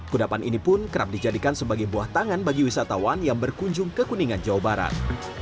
kudapan ini pun kerap dijadikan sebagai buah tangan bagi wisatawan yang berkunjung ke kuningan jawa barat